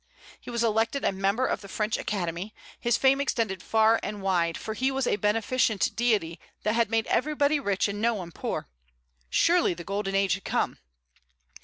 He was elected a member of the French Academy; his fame extended far and wide, for he was a beneficent deity that had made everybody rich and no one poor. Surely the golden age had come.